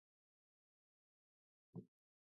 کلي د افغانستان د پوهنې نصاب کې شامل دي.